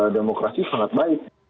demokrasi sangat baik